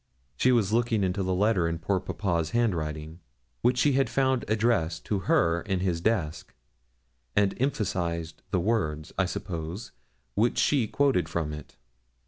She was looking into the letter in poor papa's handwriting, which she had found addressed to her in his desk, and emphasised the words, I suppose, which she quoted from it.